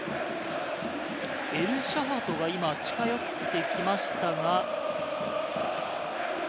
エルシャハトが今近寄ってきましたが。